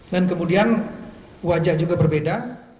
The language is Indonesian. dan kemudian wajah juga berbeda